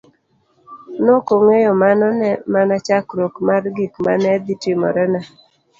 Nokong'eyo mano ne mana chakruok mar gik mane dhi timore ne.